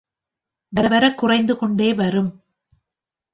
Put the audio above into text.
வர வரக் குறைந்து கொண்டே வரும்.